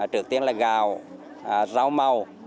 trước tiên là gạo rau màu